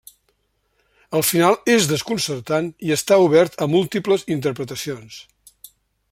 El final és desconcertant i està obert a múltiples interpretacions.